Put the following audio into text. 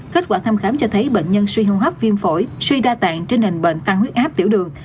kết quả thăm khám cho thấy bệnh nhân suy hô hấp viêm phổi suy đa tạng trên hình bệnh tăng huyết áp tiểu đường